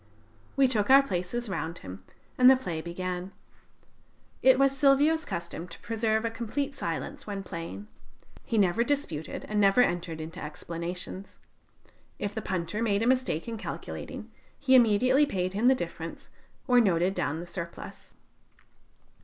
We took our places round him, and the play began. It was Silvio's custom to preserve a complete silence when playing. He never disputed, and never entered into explanations. If the punter made a mistake in calculating, he immediately paid him the difference or noted down the surplus.